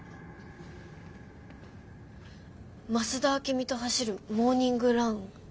「増田明美と走るモーニングラン」？